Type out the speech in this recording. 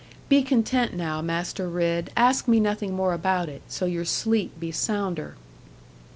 Be content now, Master Ridd ask me nothing more about it, so your sleep be sounder.'